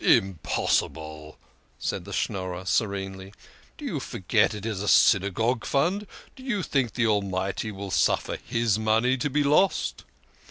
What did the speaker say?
" Impossible," said the Schnorrer serenely. " Do you forget it is a Synagogue fund? Do you think the Almighty will suffer His money to be lost?"